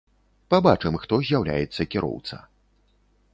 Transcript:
Пабачым, хто з'яўляецца кіроўца.